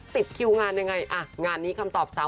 คิวงานยังไงอ่ะงานนี้คำตอบสาว